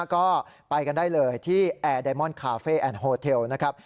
ก็ไปกันได้เลยที่แอร์ไดมอนด์คาเฟ่แอนดโฮเทลนะครับ